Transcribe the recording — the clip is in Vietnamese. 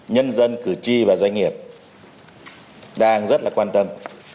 nhân dân cử tri và doanh nghiệp đang rất là quan tâm